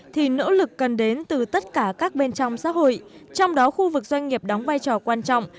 thì nỗ lực cần đến từ tất cả các bên trong xã hội trong đó khu vực doanh nghiệp đóng vai trò quan trọng